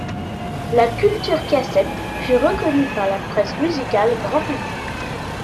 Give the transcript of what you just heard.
La culture cassette fut reconnue par la presse musicale grand public.